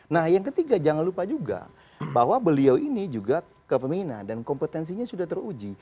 nah yang ketiga jangan lupa juga bahwa beliau ini juga kepemina dan kompetensinya sudah teruji